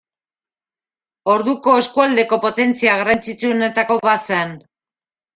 Orduko eskualdeko potentzia garrantzitsuenetako bat zen.